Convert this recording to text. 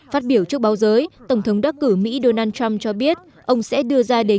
phát biểu trước báo giới tổng thống đắc cử mỹ donald trump cho biết ông sẽ đưa ra đề nghị về tổng thống nga putin